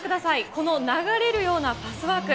この流れるようなパスワーク。